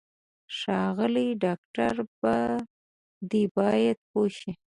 ښاغلی ډاکټره په دې باید پوه شې.